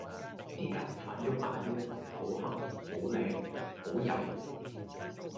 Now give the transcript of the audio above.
啲頭髮郁啊郁，好黑！好靚！好柔！